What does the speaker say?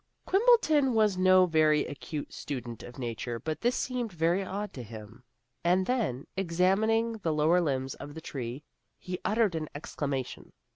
Quimbleton was no very acute student of nature, but this seemed very odd to him. And then, examining the lower limbs of the tree, he uttered an exclamation.